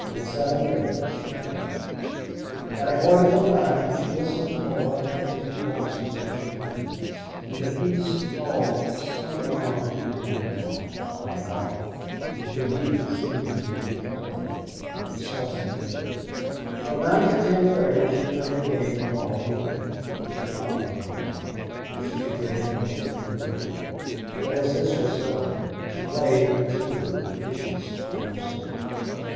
At seven thirty she dined. At a quarter to nine she listened to Norah playing two waltzes of Chopin's, and a piece called "Serenade du Printemps" by Baff, and to Bee singing "The Mikado," or the "Saucy Girl" From nine to ten thirty she played a game called piquet, which her father had taught her, if she could get anyone with whom to play; but as this was seldom, she played as a rule patience by herself.